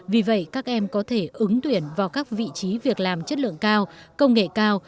vì vậy các em có thể ứng tuyển vào các vị trí việc làm chất lượng cao công nghệ cao